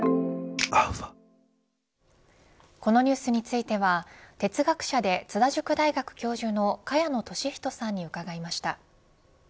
このニュースについては哲学者で津田塾大学教授の萱野稔人さんに伺いました。